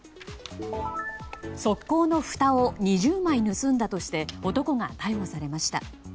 側溝のふたを２０枚盗んだとして男が逮捕されました。